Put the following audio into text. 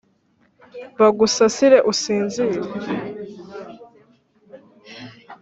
Bagusasire usinzire